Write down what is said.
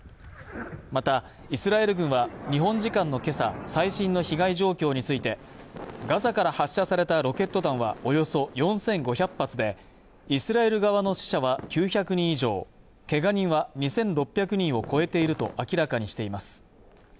またイスラエル軍は日本時間のけさ最新の被害状況についてガザから発射されたロケット弾はおよそ４５００発でイスラエル側の死者は９００人以上けが人は２６００人を超えていると明らかにしています